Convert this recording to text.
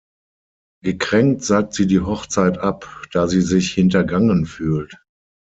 Gekränkt sagt sie die Hochzeit ab, da sie sich hintergangen fühlt.